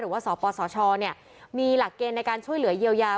สปสชมีหลักเกณฑ์ในการช่วยเหลือเยียวยา